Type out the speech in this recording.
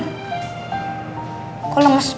tidak ada yang mau bilang